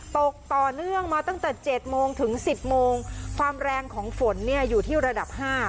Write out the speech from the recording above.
ตกต่อเนื่องมาตั้งแต่เจ็ดโมงถึงสิบโมงความแรงของฝนเนี่ยอยู่ที่ระดับห้า